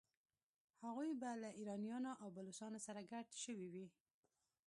هغوی به له ایرانیانو او بلوڅانو سره ګډ شوي وي.